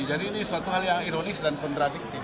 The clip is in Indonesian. jadi ini suatu hal yang ironis dan kontradiktif